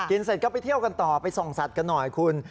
เสร็จก็ไปเที่ยวกันต่อไปส่องสัตว์กันหน่อยคุณ